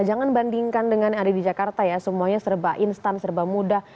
jangan bandingkan dengan yang ada di jakarta ya semuanya serba instan serba mudah